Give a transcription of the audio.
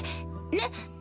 ねっ？